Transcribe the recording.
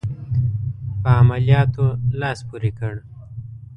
په عملیاتو لاس پوري کړ.